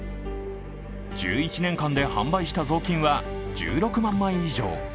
１１年間で販売した雑巾は１６万枚以上。